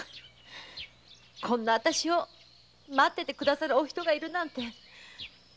こんなあたしを待っててくださるお人がいるなんて。